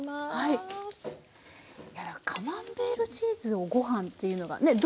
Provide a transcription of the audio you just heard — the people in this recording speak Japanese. いやカマンベールチーズをご飯っていうのがねっ！